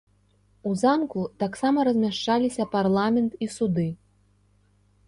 У замку таксама размяшчаліся парламент і суды.